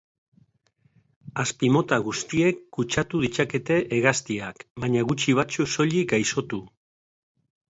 Azpimota guztiek kutsatu ditzakete hegaztiak, baina gutxi batzuk soilik gaixotu.